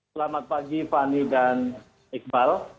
selamat pagi fani dan iqbal